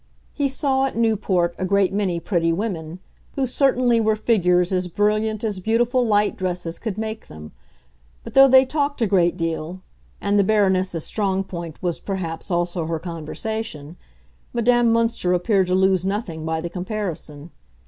He saw at Newport a great many pretty women, who certainly were figures as brilliant as beautiful light dresses could make them; but though they talked a great deal—and the Baroness's strong point was perhaps also her conversation—Madame Münster appeared to lose nothing by the comparison.